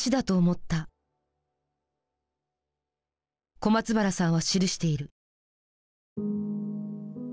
小松原さんは記している。